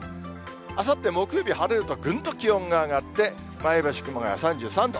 あさって木曜日、晴れるとぐんと気温が上がって、前橋、熊谷３３度。